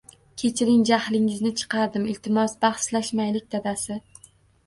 Kechiring, jahlingizni chiqardim. Iltimos, bahslashmaylik, dadasi.